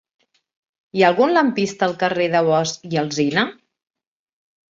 Hi ha algun lampista al carrer de Bosch i Alsina?